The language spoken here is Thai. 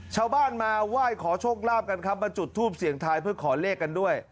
ชาวบ้านมาไหว้ขอโชคลาภกันครับมาจุดทูปเสียงทายเพื่อขอเลขกันด้วย